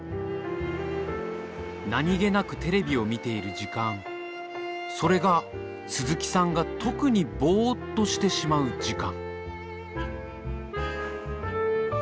何気なくテレビを見ている時間それが鈴木さんが特にボーッとしてしまう時間。